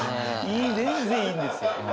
いい全然いいんですよ。